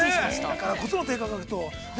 ◆だからこその低価格と。